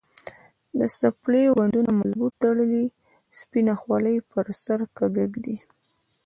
د څپلیو بندونه مضبوط تړي، سپینه خولې پر سر کږه ږدي.